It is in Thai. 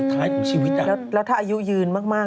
พวกเรากันเองก็ไกลแล้วหรือเปล่า